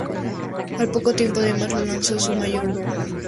Al poco tiempo, además, lo hizo su mayordomo.